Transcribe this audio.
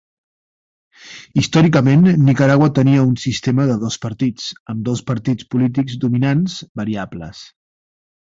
Històricament, Nicaragua tenia un sistema de dos partits, amb dos partits polítics dominants variables.